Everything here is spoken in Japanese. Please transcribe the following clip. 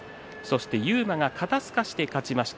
勇磨が肩すかしで勝ちました。